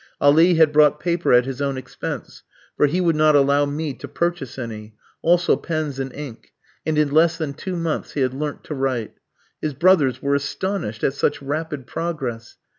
Ali had bought paper at his own expense, for he would not allow me to purchase any, also pens and ink; and in less than two months he had learnt to write. His brothers were astonished at such rapid progress.